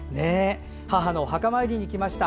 母のお墓参りに行きました。